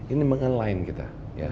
ini mengenalain kita